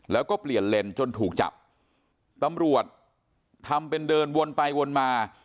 แล้วก็เปลี่ยนเลนจนถูกจับตำรวจทำเป็นเดินวนไปวนมา